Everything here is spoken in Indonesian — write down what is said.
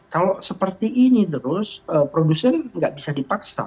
kalau seperti ini terus produsen nggak bisa dipaksa